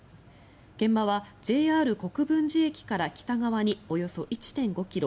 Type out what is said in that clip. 現場はＪＲ国分寺駅から北側におよそ１．５ｋｍ